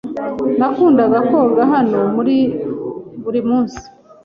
Nakundaga koga hano buri munsi.